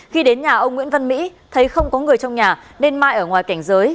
khi đến nhà ông nguyễn văn mỹ thấy không có người trong nhà nên mai ở ngoài cảnh giới